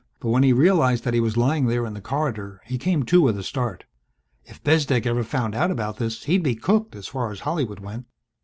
But when he realized that he was lying there in the corridor he came to with a start. If Bezdek ever found out about this he'd be cooked as far as Hollywood went!